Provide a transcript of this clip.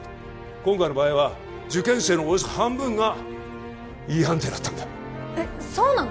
今回の場合は受験生のおよそ半分がＥ判定だったんだえっそうなの？